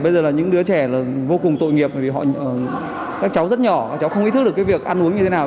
bây giờ là những đứa trẻ vô cùng tội nghiệp vì các cháu rất nhỏ các cháu không ý thức được cái việc ăn uống như thế nào